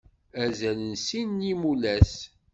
Azal n sin n yimulas.